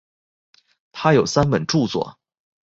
他有三本着作。